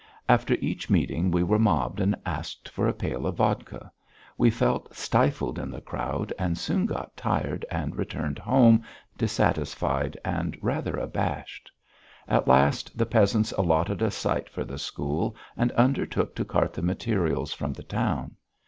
After each meeting we were mobbed and asked for a pail of vodka; we felt stifled in the crowd and soon got tired and returned home dissatisfied and rather abashed. At last the peasants allotted a site for the school and undertook to cart the materials from the town.